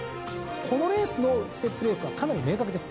このレースのステップレースはかなり明確です。